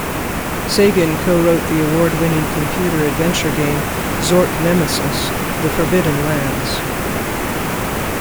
Sagan co-wrote the award-winning computer adventure game, Zork Nemesis: The Forbidden Lands.